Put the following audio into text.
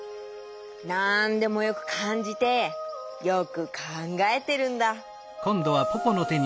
なんでもよくかんじてよくかんがえてるんだ。